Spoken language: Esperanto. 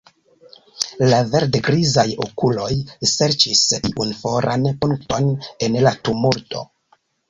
La verd-grizaj okuloj serĉis iun foran punkton en la tumulto.